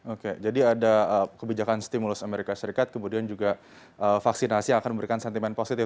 oke jadi ada kebijakan stimulus amerika serikat kemudian juga vaksinasi yang akan memberikan sentimen positif